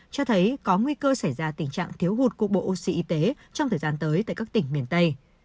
cho thấy có nguy cơ xảy ra tình trạng thiếu hụt của bộ oxy y tế trong thời gian tới tại các tỉnh miền tây